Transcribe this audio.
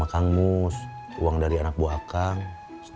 apa yang harus aku pikirin